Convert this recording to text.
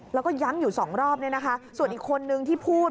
แล้วก็ย้ำอยู่๒รอบส่วนอีกคนนึงที่พูด